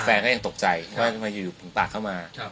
แฟนก็ยังตกใจว่าอยู่ปรุงตัดเข้ามา